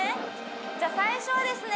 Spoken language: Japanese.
じゃあ最初はですね